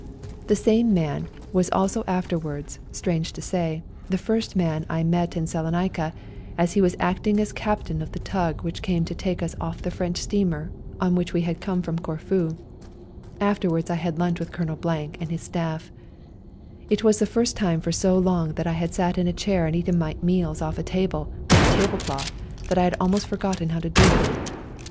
The same man was also afterwards, strange to say, the first man I met in Salonica, as he was acting as Captain of the tug which came to take us off the French steamer on which we had come from Corfu. Afterwards I had limch with Colonel and his staff. It was the first time for so long that I had sat on a chair and eaten my meals off a table with a table cloth that I had almost forgotten how to do it.